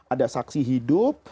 ada saksi hidup